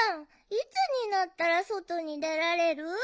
いつになったらそとにでられる？